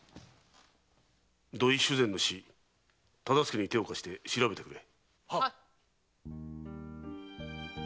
土井主膳の死忠相に手を貸して調べてくれ。